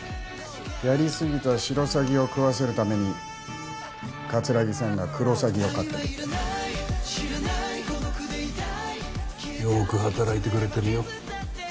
やりすぎたシロサギを喰わせるために桂木さんがクロサギを飼ってるってよーく働いてくれてるよ